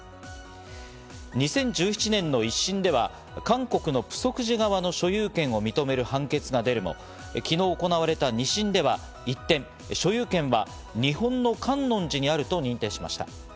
２０１７年の一審では、韓国のプソク寺側の所有権を認める判決が出るも、昨日行われた二審では一転、所有権は日本の観音寺にあると認定しました。